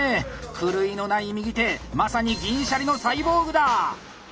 狂いのない右手まさに銀シャリのサイボーグだ！